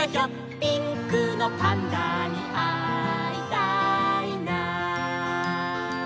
「ピンクのパンダにあいたいな」